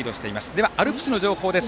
ではアルプスの情報です。